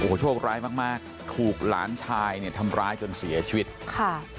โอ้โหโชคร้ายมากมากถูกหลานชายเนี่ยทำร้ายจนเสียชีวิตค่ะ